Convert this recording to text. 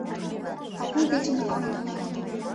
Авий дечын аҥам йодым -